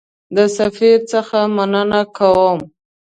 د سفیر څخه مننه کوم.